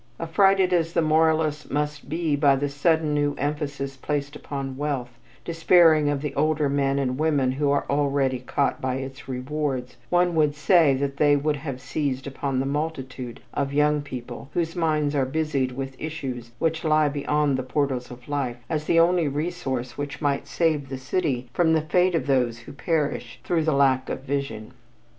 Affrighted as the moralists must be by the sudden new emphasis placed upon wealth, despairing of the older men and women who are already caught by its rewards, one would say that they would have seized upon the multitude of young people whose minds are busied with issues which lie beyond the portals of life, as the only resource which might save the city from the fate of those who perish through lack of vision.